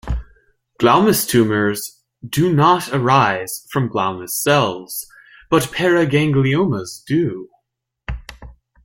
Glomus tumors do not arise from glomus cells, but paragangliomas do.